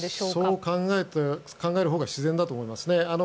そう考えるほうが自然だと思います。